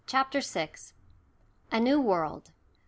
CHAPTER VI. A NEW WORLD.